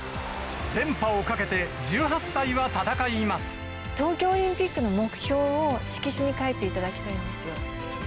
連覇をかけて、東京オリンピックの目標を、色紙に書いていただきたいんですよ。